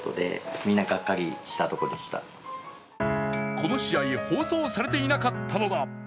この試合、放送されていなかったのだ。